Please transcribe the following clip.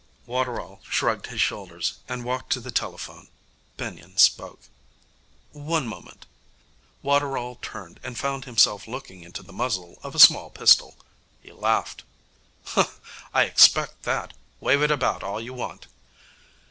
Waterall shrugged his shoulders, and walked to the telephone. Benyon spoke. 'One moment.' Waterall turned, and found himself looking into the muzzle of a small pistol. He laughed. 'I expected that. Wave it about all you want.'